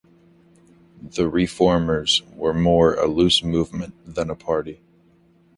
The Reformers were more a loose movement than a party.